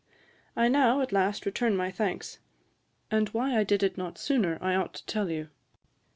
I now, at last, return my thanks; and why I did it not sooner I ought to tell you.